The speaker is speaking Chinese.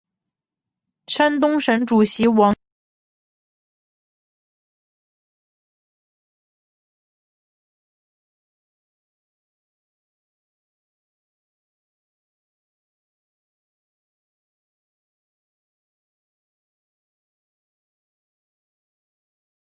山东省主席王耀武增兵驰援。